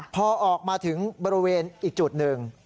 พอออกมาถึงบริเวณอีกจุดหนึ่ง